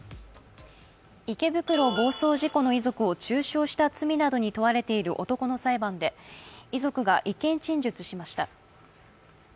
池袋暴走事故の遺族を中傷した罪などに問われている男の裁判で遺族が意見陳述しました。